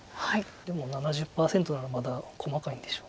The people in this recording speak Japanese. でも７０％ならまだ細かいんでしょう。